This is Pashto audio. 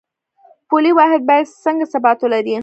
پولي واحد باید څنګه ثبات ولري؟